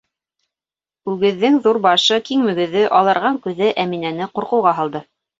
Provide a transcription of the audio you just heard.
Үгеҙҙең ҙур башы, киң мөгөҙө, аларған күҙе Әминәне ҡурҡыуға һалды.